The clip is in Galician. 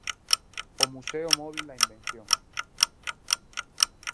O Museo Móbil da Invención.